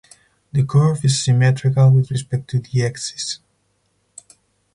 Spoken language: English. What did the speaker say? The curve is symmetrical with respect to the -axis.